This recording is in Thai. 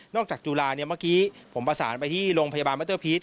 จากจุฬาเมื่อกี้ผมประสานไปที่โรงพยาบาลมัตเตอร์พีช